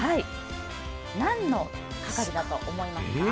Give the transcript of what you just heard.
何の係だと思いますか？